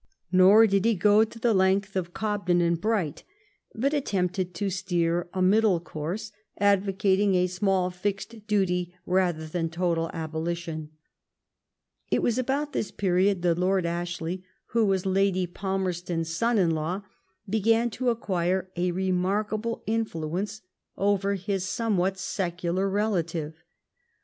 Nor did he go to the length of Gobden and Bright ; but attempted to steer a middle course, advo M LIFE OF VISCOUNT PALMEB8T0N. oatiDg a small fixed daty ratber than total abolitioii. It was about tbis period that Lord Ashley, who was Lady Palmerston's son in law, began to acquire a re markable influence over his somewhat secular relative.